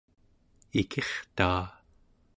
ikirtaa